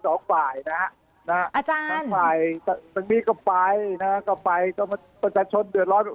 ทั้งฝ่ายตรงนี้ก็ไปนะฮะก็ไปประชาชนเดือดร้อน